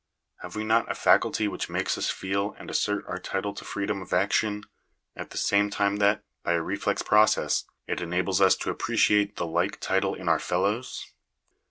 Have we not a faculty which makes us feel and assert our title to freedom of action, at the same time that, by a reflex process, it enables us to appreciate the like title in our fellows?